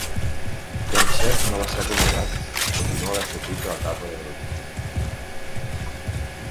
Yartsev no va ser acomiadat tot i no haver sortit de l'etapa de grup.